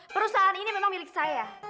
perusahaan ini memang milik saya